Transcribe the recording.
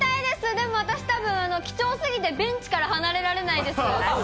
でも、私たぶん、貴重すぎてベンチから離れられないです。